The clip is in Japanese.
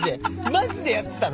マジでやってたの？